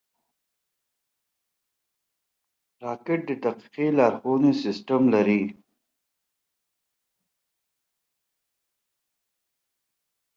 راکټ د دقیقې لارښونې سیسټم لري